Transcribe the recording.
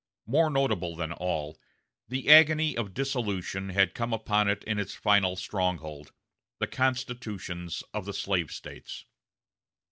More notable than all, the agony of dissolution had come upon it in its final stronghold the constitutions of the slave States.